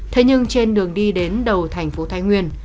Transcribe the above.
thế nhưng trên đường đi đến đầu thành phố thái nguyên